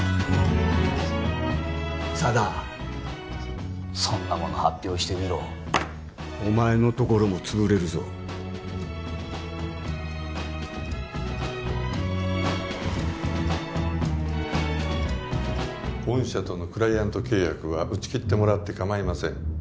佐田そんなもの発表してみろお前の所も潰れるぞ御社とのクライアント契約は打ち切ってもらってかまいません